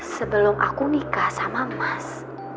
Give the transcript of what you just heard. sebelum aku nikah sama mas